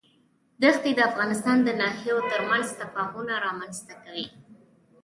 دښتې د افغانستان د ناحیو ترمنځ تفاوتونه رامنځ ته کوي.